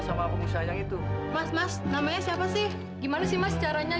sampai jumpa di video selanjutnya